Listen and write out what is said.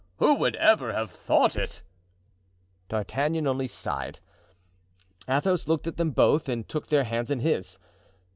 who would ever have thought it?" D'Artagnan only sighed. Athos looked at them both and took their hands in his.